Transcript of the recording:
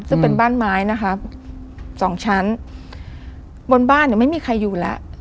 ซึ่งเป็นบ้านไม้นะคะสองชั้นบนบ้านเนี่ยไม่มีใครอยู่แล้ว